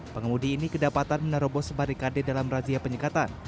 pengemudi ini kedapatan menerobos sebarikade dalam razia penyekatan